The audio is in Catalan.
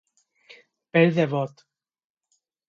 Pell de bot.